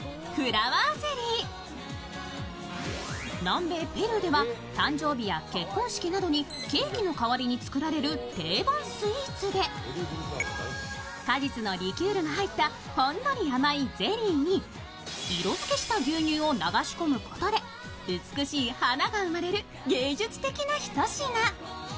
南米ペルーでは誕生日や結婚式などにケーキの代わりに作られる定番スイーツで、果実のリキュールが入ったほんのり甘いゼリーに色づけした牛乳を流し込むことで美しい花が生まれる芸術的なひと品。